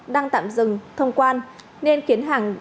đang tạm dừng thông quan